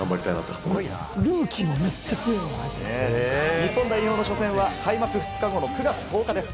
日本代表の初戦は開幕２日後の９月１０日です。